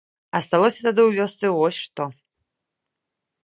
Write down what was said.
Асталося тады ў вёсцы вось што.